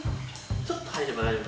ちょっと入れば大丈夫